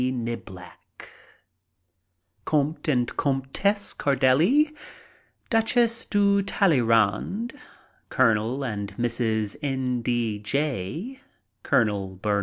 Niblack, Comte and Comtesse Cardelli, Duchess de Talleyrand, Col. and Mrs. N. D. Jay, Col.